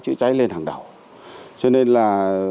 chữa cháy lên hàng đầu cho nên là